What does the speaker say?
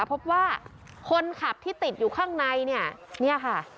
พบว่าคนขับที่ติดอยู่ข้างในนี่ค่ะ